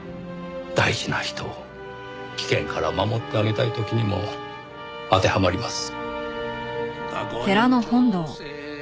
大事な人を危険から守ってあげたい時にも当てはまります。